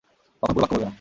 কখনো পুরো বাক্য বলবে না।